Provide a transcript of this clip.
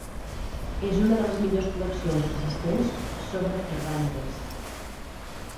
És una de les millors col·leccions existents sobre Cervantes.